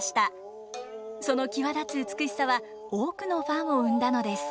その際立つ美しさは多くのファンを生んだのです。